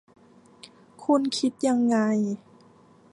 คุณคิดยังไง